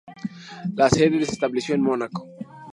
Las Sede se estableció en Mónaco.